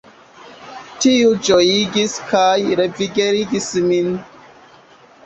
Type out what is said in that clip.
Tio ĝojigis kaj revigligis min!